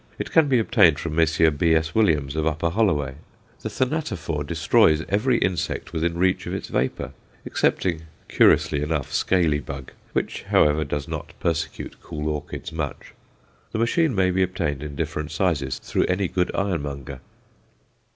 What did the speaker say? It can be obtained from Messrs. B.S. Williams, of Upper Holloway. The Thanatophore destroys every insect within reach of its vapour, excepting, curiously enough, scaly bug, which, however, does not persecute cool orchids much. The machine may be obtained in different sizes through any good ironmonger.